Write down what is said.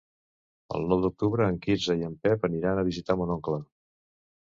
El nou d'octubre en Quirze i en Pep aniran a visitar mon oncle.